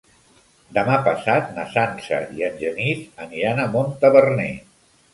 Demà passat na Sança i en Genís aniran a Montaverner.